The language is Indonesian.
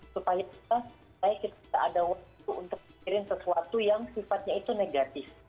supaya kita tidak ada waktu untuk pikirin sesuatu yang sifatnya itu negatif